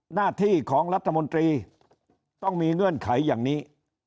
หน้าที่ของรัฐมนตรีต้องมีเงื่อนไขอย่างนี้